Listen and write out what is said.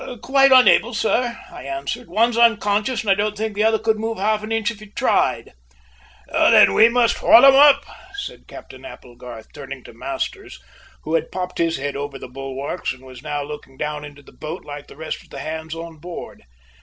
"Quite unable, sir," I answered. "One's unconscious, and I don't think the other could move an inch if he tried!" "Then we must haul 'em up," said Captain Applegarth, turning to Masters, who had popped his head over the bulwarks and was now looking down into the boat, like the rest of the hands on board.